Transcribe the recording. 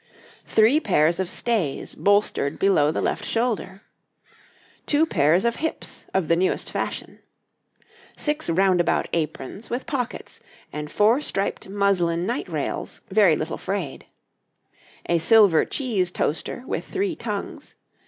Three pairs of Stays boulstered below the left shoulder. Two pairs of Hips of the newest fashion. Six Roundabout Aprons, with Pockets, and four strip'd Muslin night rails very little frayed. A silver Cheese toaster with three tongues.